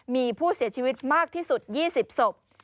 มีผู้เสียชีวิตมากที่สุด๒๐ศพ